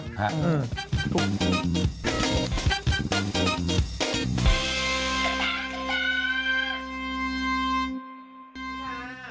กระตากระตา